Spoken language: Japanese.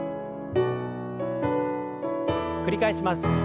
繰り返します。